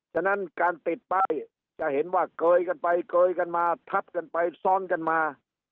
ฉะนั้นการติดป้ายจะเห็นว่าเกยกันไปเกยกันมาทับกันไปซ้อนกันมา